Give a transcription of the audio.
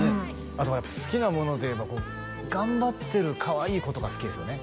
あと好きなものといえば頑張ってるかわいい子とか好きですよね？